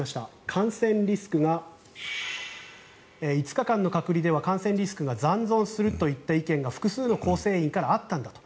感染リスクが５日間の隔離では感染リスクが残存するといった意見が複数の構成員からあったんだと。